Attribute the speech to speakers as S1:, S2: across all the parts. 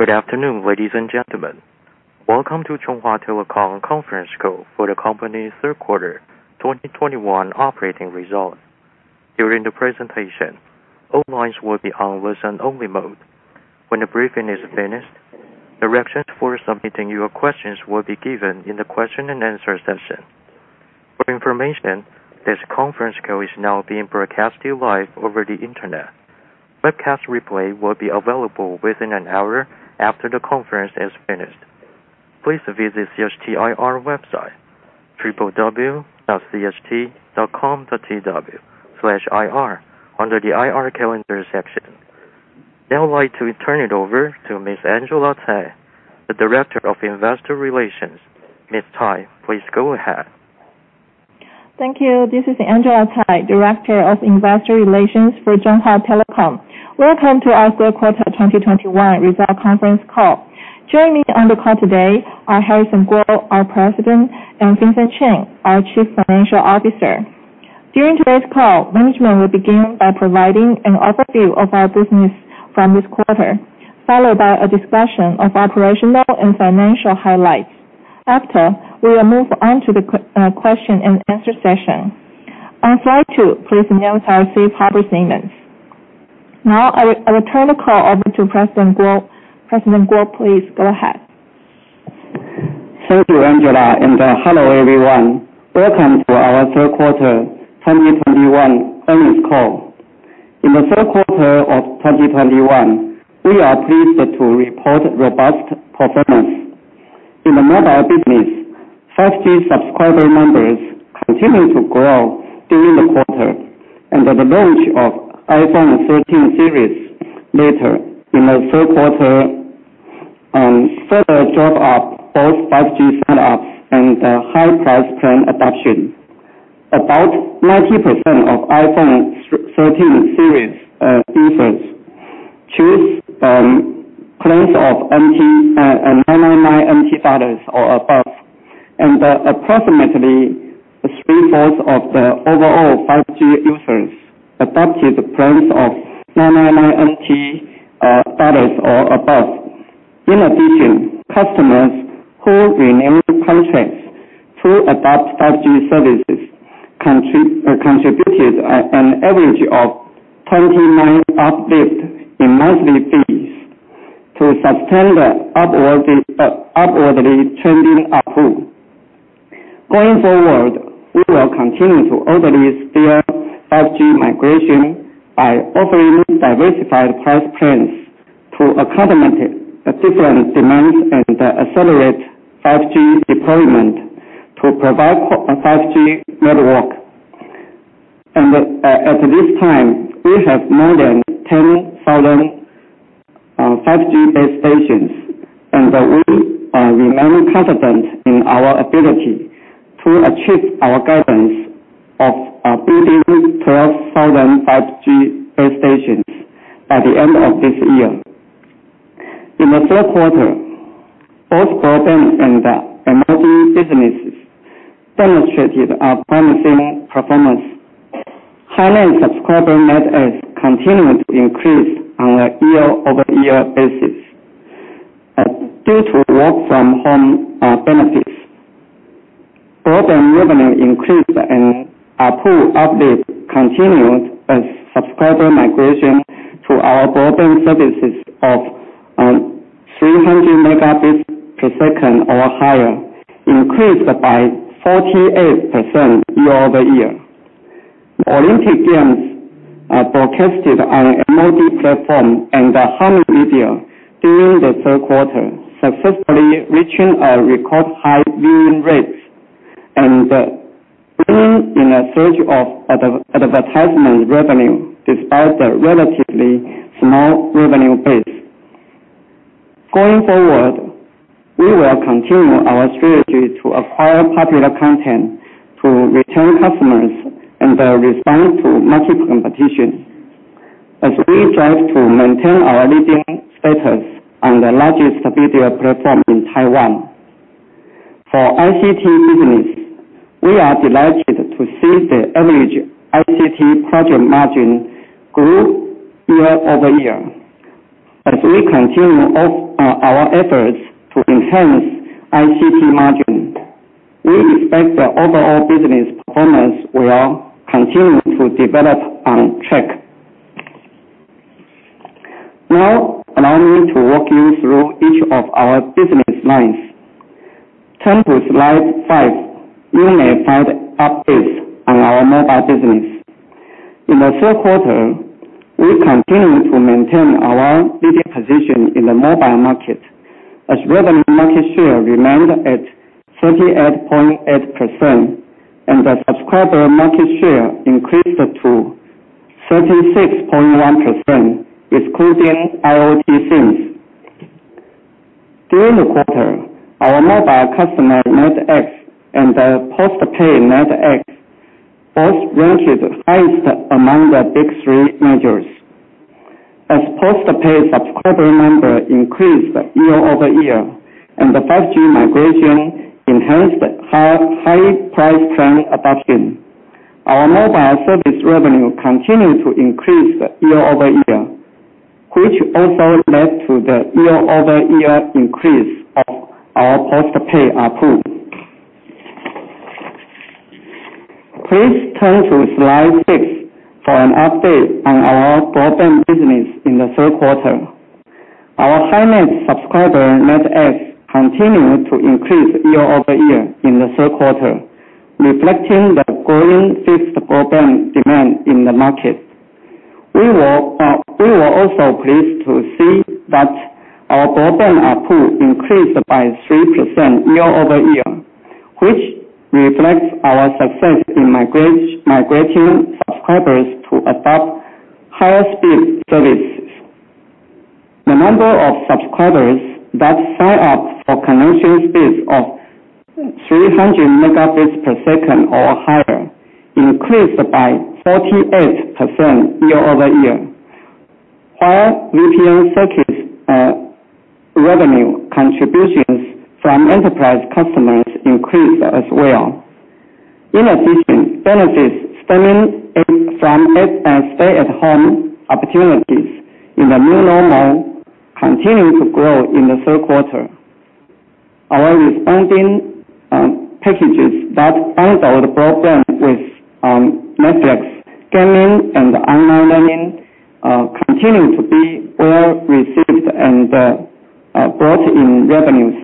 S1: Good afternoon, ladies and gentlemen. Welcome to Chunghwa Telecom conference call for the company' Q3 2021 operating results. During the presentation, all lines will be on listen-only mode. When the briefing is finished, the directions for submitting your questions will be given in the question-and-answer session. For information, this conference call is now being broadcasted live over the Internet. Webcast replay will be available within an hour after the conference is finished. Please visit CHT IR website, www.cht.com.tw/ir under the IR Calendar section. Now I'd like to turn it over to Ms. Angela Tsai, the Director of Investor Relations. Ms. Tsai, please go ahead.
S2: Thank you. This is Angela Tsai, Director of Investor Relations for Chunghwa Telecom. Welcome to our Q3 2021 result conference call. Joining me on the call today are Harrison Kuo, our President, and Vincent Chen, our Chief Financial Officer. During today's call, management will begin by providing an overview of our business from this quarter, followed by a discussion of operational and financial highlights. After, we will move on to the question and answer session. I'd like to please note our safe harbor statements. Now, I will turn the call over to President Kuo. President Kuo, please go ahead.
S3: Thank you, Angela, and hello, everyone. Welcome to our Q3 2021 earnings call. In Q3 of 2021, we are pleased to report robust performance. In the mobile business, 5G subscriber numbers continued to grow during the quarter. With the launch of iPhone 13 series later in Q3, further drove up both 5G sign-ups and higher price plan adoption. About 90% of iPhone 13 series users choose plans of TWD 999 or above, and approximately 3/4 of the overall 5G users adopted the plans of 999 or above. In addition, customers who renewed contracts to adopt 5G services contributed an average of 29 uptick in monthly fees to sustain the upwardly trending ARPU. Going forward, we will continue to orderly steer 5G migration by offering diversified price plans to accommodate the different demands and accelerate 5G deployment to provide a 5G network. At this time, we have more than 10,000 5G base stations, and we are remaining confident in our ability to achieve our guidance of building 12,000 5G base stations by the end of this year. In the third quarter, both broadband and MOD businesses demonstrated a promising performance. HiNet subscriber net adds continued to increase on a year-over-year basis due to work-from-home benefits. Broadband revenue increased, and ARPU upticks continued as subscriber migration to our broadband services of 300 Mbps or higher increased by 48% year-over-year. Olympic Games are broadcasted on a MOD platform and the Hami Video during Q3, successfully reaching record high viewing rates and bringing in a surge of advertisement revenue despite the relatively small revenue base. Going forward, we will continue our strategy to acquire popular content to retain customers and respond to market competition as we strive to maintain our leading status on the largest video platform in Taiwan. For ICT business, we are delighted to see the average ICT project margin grow year-over-year. As we continue our efforts to enhance ICT margin, we expect the overall business performance will continue to develop on track. Now, allow me to walk you through each of our business lines. Turn to slide five, you may find updates on our mobile business. In Q3, we continued to maintain our leading position in the mobile market as revenue market share remained at 38.8% and the subscriber market share increased to 36.1%, excluding IoT SIMs. During the quarter, our mobile customer net adds and the postpaid net adds both ranked highest among the big three majors. As postpaid subscriber number increased year-over-year and the 5G migration enhanced high-price plan adoption, our mobile service revenue continued to increase year-over-year, which also led to the year-over-year increase of our postpaid ARPU. Please turn to slide 6 for an update on our broadband business in the third quarter. Our HiNet subscriber net adds continued to increase year-over-year in Q3, reflecting the growing fixed broadband demand in the market. We were also pleased to see that our broadband ARPU increased by 3% year-over-year, which reflects our success in migrating subscribers to adopt higher speed services. The number of subscribers that sign up for connection speeds of 300 megabits per second or higher increased by 48% year-over-year. Our VPN circuits revenue contributions from enterprise customers increased as well. In addition, benefits stemming from stay-at-home opportunities in the new normal continued to grow in Q3. Our responsive packages that bundle the broadband with Netflix, gaming, and online learning continued to be well-received and brought in revenues.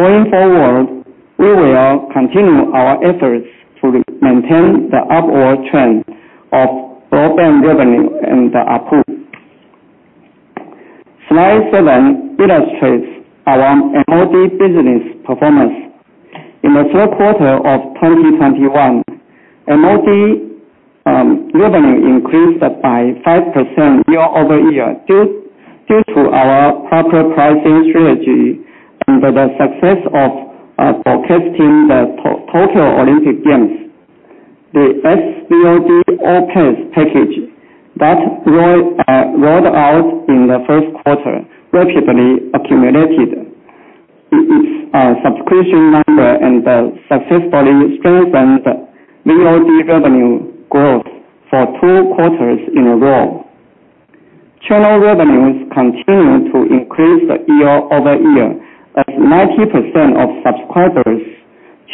S3: Going forward, we will continue our efforts to maintain the upward trend of broadband revenue and ARPU. Slide 7 illustrates our MOD business performance. In Q3 of 2021, MOD revenue increased by 5% year-over-year, due to our proper pricing strategy and the success of broadcasting the Tokyo Olympic Games. The SVOD all-pass package that rolled out in the first quarter rapidly accumulated its subscription number and successfully strengthened MOD revenue growth for 2 quarters in a row. Channel revenues continued to increase year-over-year as 90% of subscribers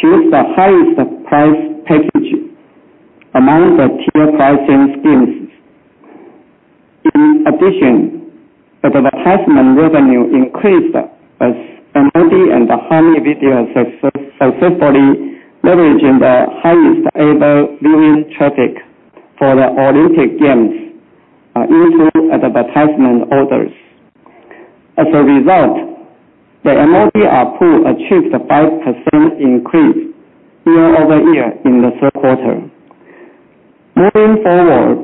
S3: choose the highest priced package among the tier pricing schemes. In addition, advertisement revenue increased as MOD and Hami Video successfully leveraging the highest ever viewing traffic for the Olympic Games into advertisement orders. As a result, the MOD ARPU achieved a 5% increase year-over-year in Q3. Moving forward,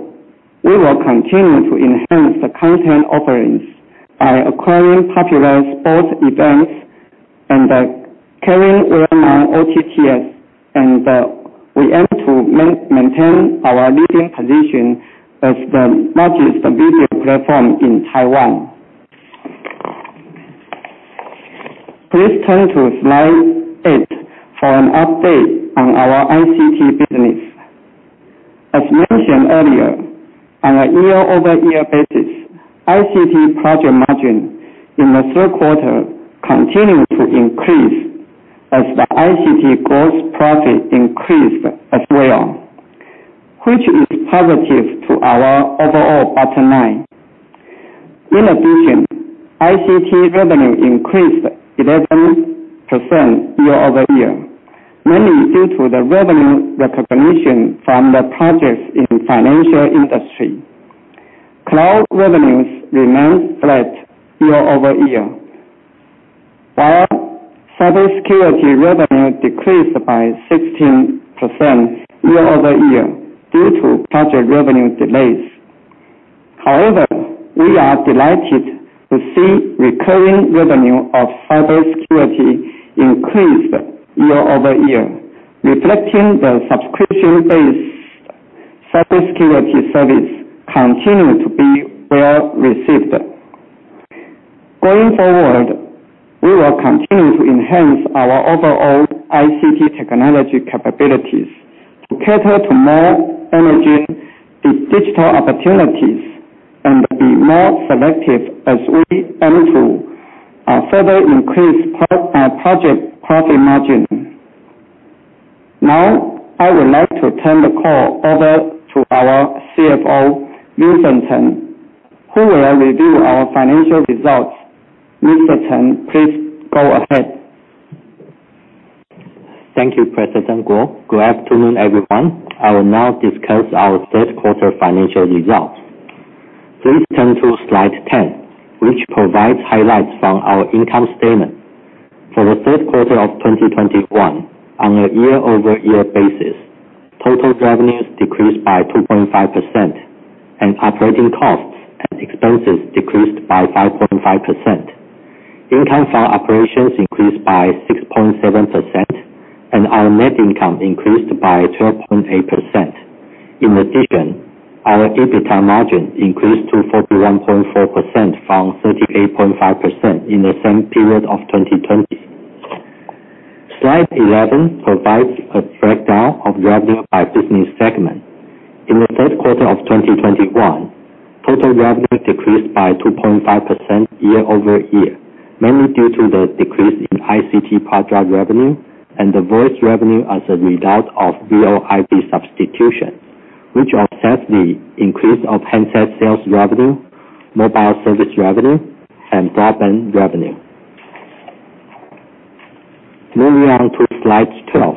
S3: we will continue to enhance the content offerings by acquiring popular sports events and carrying well-known OTTs, and we aim to maintain our leading position as the largest video platform in Taiwan. Please turn to slide eight for an update on our ICT business. As mentioned earlier, on a year-over-year basis, ICT project margin in the third quarter continued to increase as the ICT gross profit increased as well, which is positive to our overall bottom line. In addition, ICT revenue increased 11% year-over-year, mainly due to the revenue recognition from the projects in financial industry. Cloud revenues remained flat year-over-year, while cybersecurity revenue decreased by 16% year-over-year due to project revenue delays. However, we are delighted to see recurring revenue of cybersecurity increased year-over-year, reflecting the subscription-based cybersecurity service continued to be well-received. Going forward, we will continue to enhance our overall ICT technology capabilities to cater to more emerging digital opportunities and be more selective as we aim to further increase project profit margin. Now, I would like to turn the call over to our CFO, Vincent Chen, who will review our financial results. Vincent Chen, please go ahead.
S4: Thank you, Harrison Kuo. Good afternoon, everyone. I will now discuss our third quarter financial results. Please turn to slide 10, which provides highlights from our income statement. For Q3 of 2021, on a year-over-year basis, total revenues decreased by 2.5% and operating costs and expenses decreased by 5.5%. Income for operations increased by 6.7%, and our net income increased by 12.8%. In addition, our EBITDA margin increased to 41.4% from 38.5% in the same period of 2020. Slide 11 provides a breakdown of revenue by business segment. In Q3 of 2021, total revenue decreased by 2.5% year-over-year, mainly due to the decrease in ICT project revenue and the voice revenue as a result of VOIP substitution, which offsets the increase of handset sales revenue, mobile service revenue, and broadband revenue. Moving on to slide 12.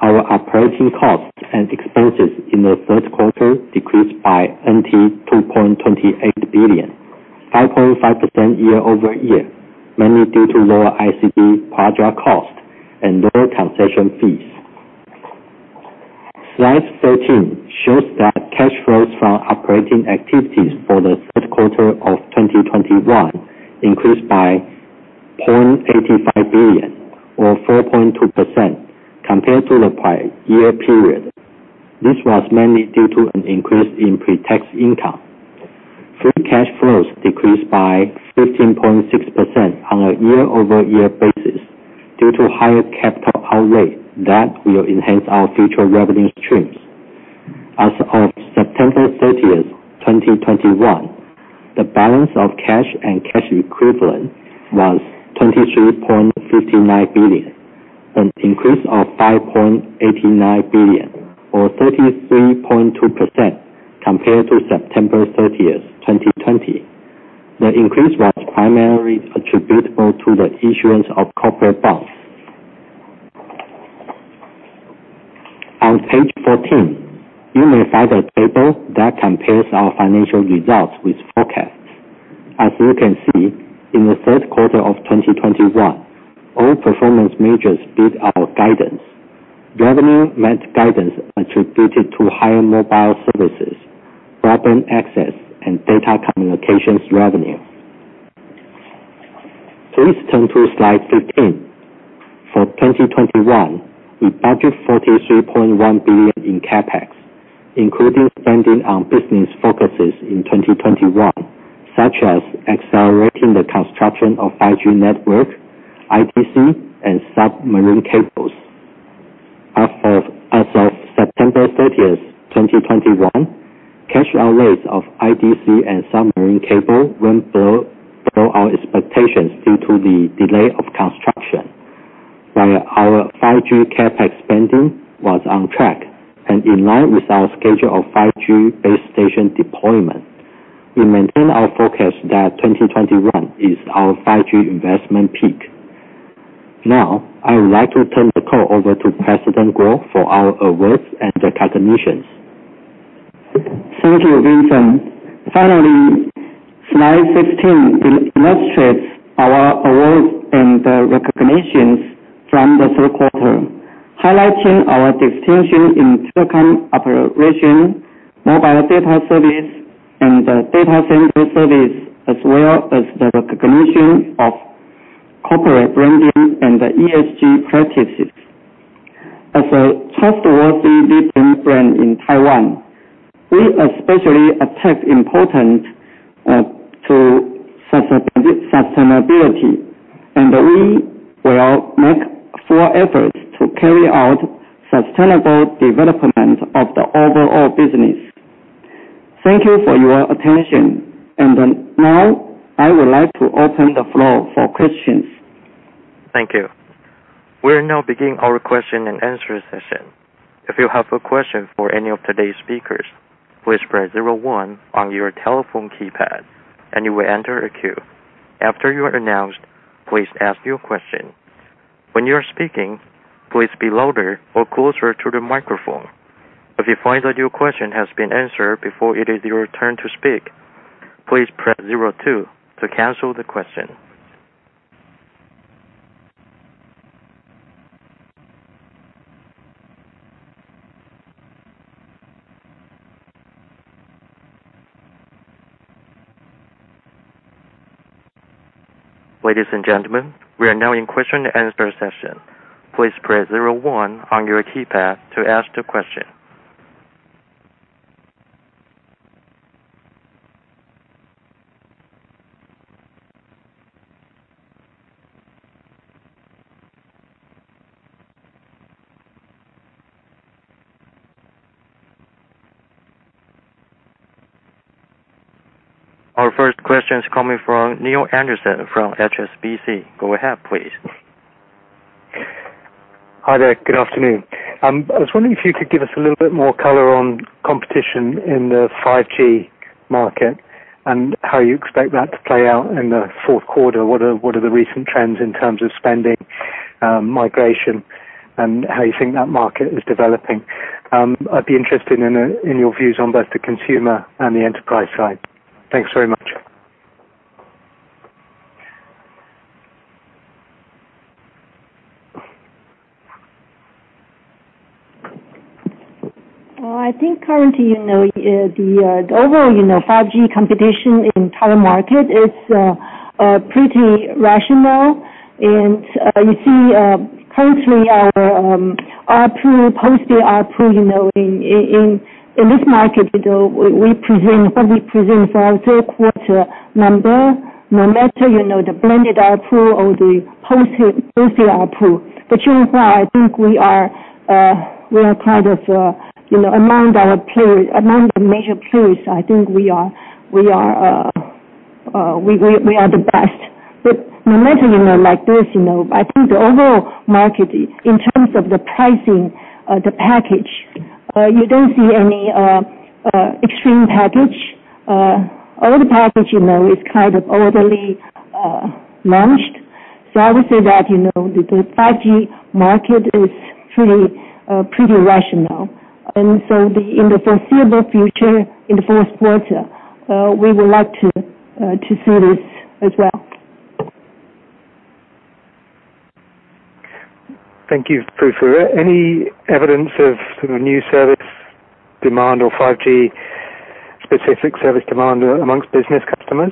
S4: Our operating costs and expenses in Q3 decreased by TWD 2.28 billion, 5.5% year-over-year, mainly due to lower ICT project cost and lower concession fees. Slide 13 shows that cash flows from operating activities for Q3 of 2021 increased by 0.85 billion or 4.2% compared to the prior year period. This was mainly due to an increase in pre-tax income. Free cash flows decreased by 15.6% on a year-over-year basis due to higher capital outlay that will enhance our future revenue streams. As of September 30, 2021, the balance of cash and cash equivalents was 23.59 billion, an increase of 5.89 billion or 33.2% compared to September 30, 2020. The increase was primarily attributable to the issuance of corporate bonds. On page 14, you may find a table that compares our financial results with forecasts. As you can see, in the third quarter of 2021, all performance measures beat our guidance. Revenue met guidance attributed to higher mobile services, broadband access, and data communications revenue. Please turn to slide 15. For 2021, we budget 43.1 billion in CapEx, including spending on business focuses in 2021, such as accelerating the construction of 5G network, IDC, and submarine cables. As of September 30, 2021, cash outlays of IDC and submarine cable went below our expectations due to the delay of construction, while our 5G CapEx spending was on track and in line with our schedule of 5G base station deployment. We maintain our forecast that 2021 is our 5G investment peak. Now, I would like to turn the call over to Harrison Kuo for our awards and recognitions.
S3: Thank you, Vincent. Finally, slide 15 illustrates our awards and recognitions from the third quarter, highlighting our distinction in telecom operation, mobile data service, and data center service, as well as the recognition of corporate branding and ESG practices. As a trustworthy leading brand in Taiwan, we especially attach important to sustainability, and we will make full efforts to carry out sustainable development of the overall business. Thank you for your attention. Now, I would like to open the floor for questions.
S1: Thank you. We'll now begin our question-and-answer session. If you have a question for any of today's speakers, please press zero one on your telephone keypad, and you will enter a queue. After you are announced, please ask your question. When you are speaking, please be louder or closer to the microphone. If you find that your question has been answered before it is your turn to speak, please press zero two to cancel the question. Ladies and gentlemen, we are now in question and answer session. Please press zero one on your keypad to ask the question. Our first question is coming from Neale Anderson from HSBC. Go ahead, please.
S5: Hi there. Good afternoon. I was wondering if you could give us a little bit more color on competition in the 5G market and how you expect that to play out in the fourth quarter. What are the recent trends in terms of spending, migration, and how you think that market is developing? I'd be interested in your views on both the consumer and the enterprise side. Thanks very much.
S6: Well, I think currently, you know, the overall, you know, 5G competition in Taiwan market is pretty rational. You see, currently our ARPU, post-paid ARPU, you know, in this market, you know, we present what we present for our third quarter number, no matter, you know, the blended ARPU or the post-paid ARPU. Chunghwa Telecom, I think we are kind of, you know, among our peers, among the major peers, I think we are the best. No matter, you know, like this, you know, I think the overall market, in terms of the pricing, the package, you don't see any extreme package. All the packages, you know, is kind of orderly launched. I would say that, you know, the 5G market is pretty rational. In the foreseeable future, in the fourth quarter, we would like to see this as well.
S5: Thank you, Fu-Fu. Any evidence of sort of new service demand or 5G specific service demand among business customers?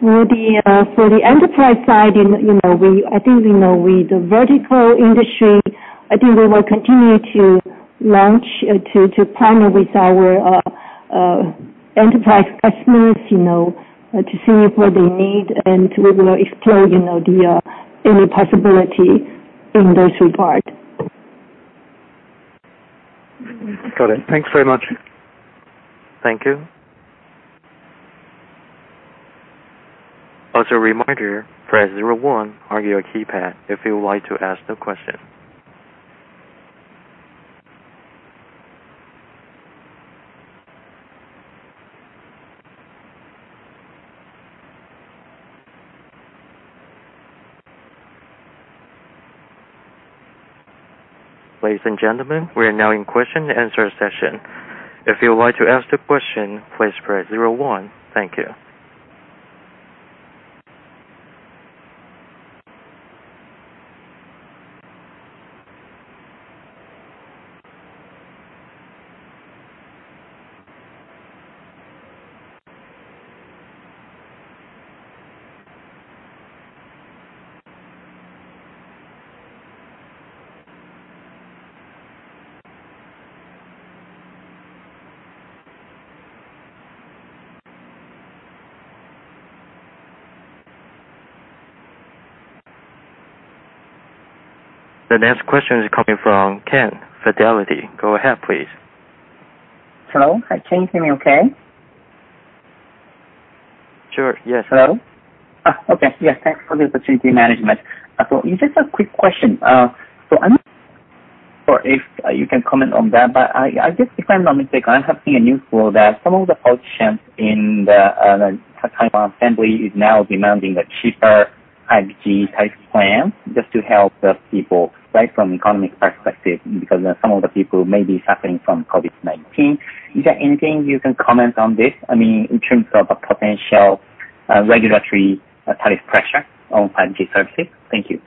S6: For the enterprise side, you know, I think we know with the vertical industry. I think we will continue to partner with our enterprise customers, you know, to see what they need and we will explore, you know, any possibility in this regard.
S5: Got it. Thanks very much.
S1: Thank you. As a reminder, press zero one on your keypad if you would like to ask a question. Ladies and gentlemen, we are now in question and answer session. If you would like to ask the question, please press zero one. Thank you. The next question is coming from Ken, Fidelity. Go ahead, please.
S7: I changed my name, okay?
S1: Sure. Yes.
S7: Hello? Okay. Yes, thanks for the opportunity, management. It's just a quick question. Or if you can comment on that. I just, if I'm not mistaken, I have seen a news flow that some of the factions in the Legislative Yuan is now demanding a cheaper 5G type plan just to help the people, right? From economic perspective, because some of the people may be suffering from COVID-19. Is there anything you can comment on this? I mean, in terms of a potential regulatory tariff pressure on 5G services. Thank you.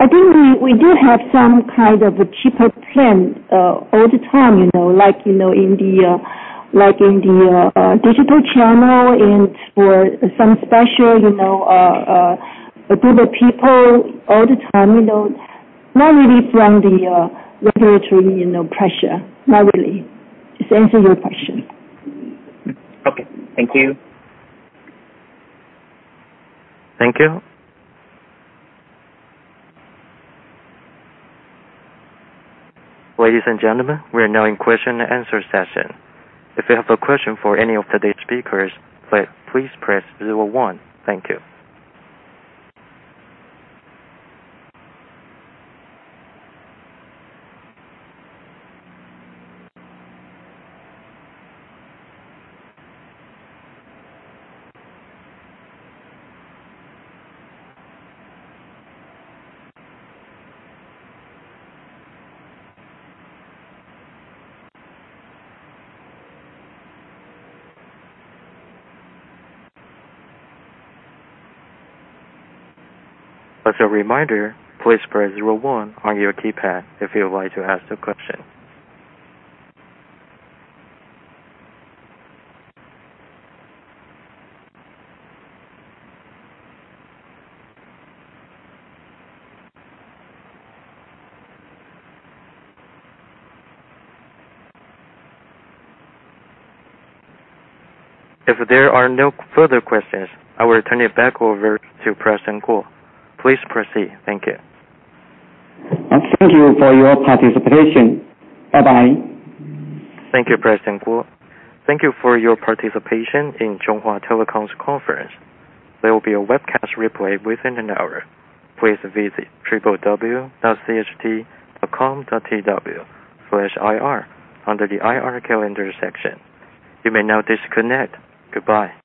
S6: I think we do have some kind of a cheaper plan all the time, you know. Like, you know, in the digital channel and for some special, you know, group of people all the time, you know. Not really from the regulatory, you know, pressure. Not really. Just answer your question.
S7: Okay. Thank you.
S1: Thank you. Ladies and gentlemen, we are now in question and answer session. If you have a question for any of today's speakers, please press zero one. Thank you. As a reminder, please press zero one on your keypad if you would like to ask a question. If there are no further questions, I will turn it back over to President Kuo. Please proceed. Thank you.
S3: Thank you for your participation. Bye-bye.
S1: Thank you, President Kuo. Thank you for your participation in Chunghwa Telecom's conference. There will be a webcast replay within an hour. Please visit www.cht.com.tw/ir under the IR Calendar section. You may now disconnect. Goodbye.